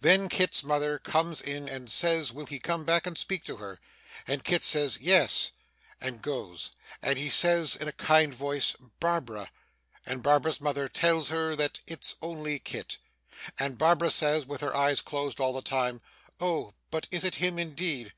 Then, Kit's mother comes in and says, will he come and speak to her; and Kit says 'Yes,' and goes; and he says in a kind voice 'Barbara!' and Barbara's mother tells her that 'it's only Kit;' and Barbara says (with her eyes closed all the time) 'Oh! but is it him indeed?